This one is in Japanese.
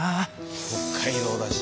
北海道だし。